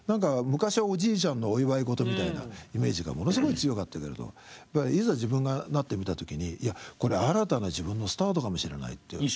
昔はおじいちゃんのお祝い事みたいなイメージがものすごい強かったけれどいざ自分がなってみた時にいやこれ新たな自分のスタートかもしれないって。